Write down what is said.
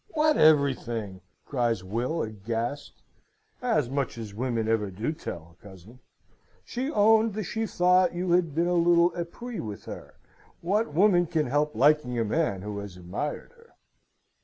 "What everything?" cries Will, aghast. "As much as women ever do tell, cousin. She owned that she thought you had been a little epris with her. What woman can help liking a man who has admired her?"